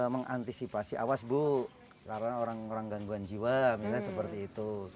mengantisipasi awas bu karena orang orang gangguan jiwa misalnya seperti itu